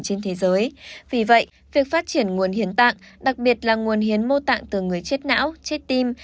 trên thế giới vì vậy việc phát triển nguồn hiến tạng đặc biệt là nguồn hiến mô tạng từ người chết não chết tim